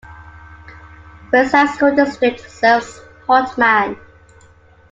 Westside School District serves Hartman.